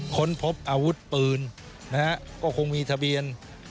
ค้นพบอาวุธปืนนะฮะก็คงมีทะเบียน